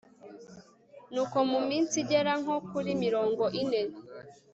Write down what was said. nuko mu minsi igera nko kuri mirongo ine